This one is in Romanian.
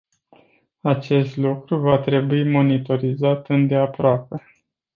Acest lucru va trebui monitorizat îndeaproape.